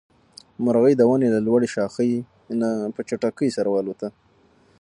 مرغۍ د ونې له لوړې ښاخۍ نه په چټکۍ سره والوته.